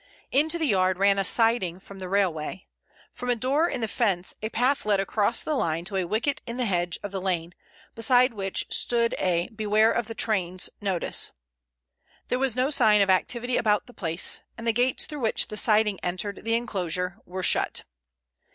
Into the yard ran a siding from the railway. From a door in the fence a path led across the line to a wicket in the hedge of the lane, beside which stood a "Beware of the Trains" notice. There was no sign of activity about the place, and the gates through which the siding entered the enclosure were shut.